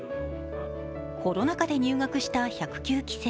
コロナ禍で入学した１０９期生。